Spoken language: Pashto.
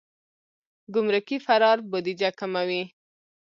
ګمرکي فرار بودیجه کموي.